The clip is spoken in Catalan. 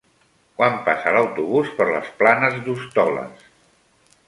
Quan passa l'autobús per les Planes d'Hostoles?